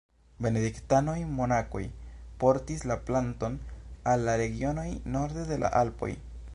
Benediktanoj-monakoj portis la planton al la regionoj norde de la Alpoj.